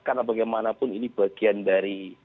karena bagaimanapun ini bagian dari